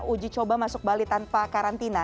uji coba masuk bali tanpa karantina